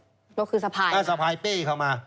นั่นคือสะพายเหรอคะนั่นคือสะพายเป้เข้ามา